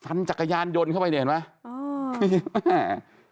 ฟันจักรยานยนต์เข้าไปเห็นไหม